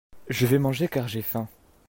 Je vais manger car j'ai faim.